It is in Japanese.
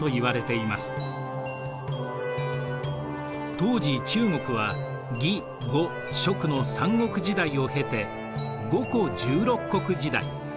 当時中国は魏呉蜀の三国時代を経て五胡十六国時代。